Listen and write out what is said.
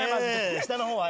下の方は？